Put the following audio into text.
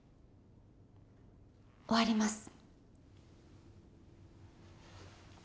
終わります。